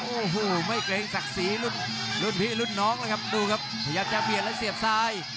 โอ้โหไม่เกรงศักดิ์ศรีรุ่นพี่รุ่นน้องเลยครับดูครับพยายามจะเบียดแล้วเสียบซ้าย